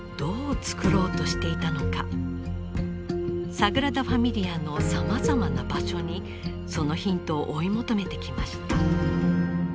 サグラダ・ファミリアのさまざまな場所にそのヒントを追い求めてきました。